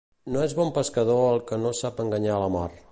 No és bon pescador el que no sap enganyar la mar.